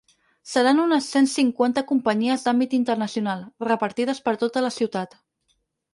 Seran unes cent cinquanta companyies d’àmbit internacional, repartides per tota la ciutat.